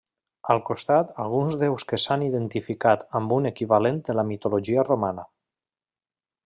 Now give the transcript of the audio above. Al costat alguns déus que s'han identificat amb un equivalent de la mitologia romana.